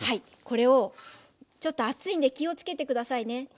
これをちょっと熱いんで気をつけて下さいね。